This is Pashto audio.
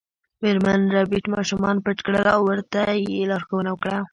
میرمن ربیټ ماشومان پټ کړل او ورته یې لارښوونه وکړه